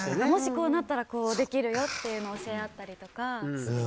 もしこうなったらこうできるよというのを教え合ったりとか。